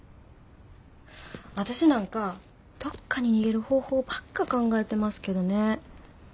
私なんかどっかに逃げる方法ばっか考えてますけどね。